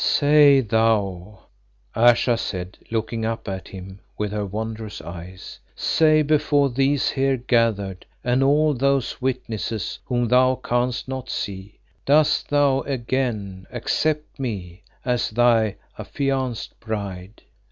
"Say thou," Ayesha said, looking up at him with her wondrous eyes, "say before these here gathered, and all those witnesses whom thou canst not see, dost thou again accept me as thy affianced bride?"